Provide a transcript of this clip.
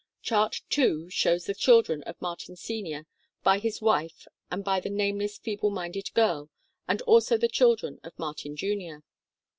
Chart II shows the children of Martin Sr. by his wife and by the nameless feeble minded girl, and also the children of Martin Jr.